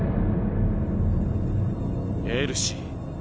エルシー。